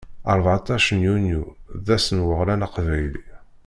Rbeɛṭac deg yunyu, d ass n weɣlan aqbayli.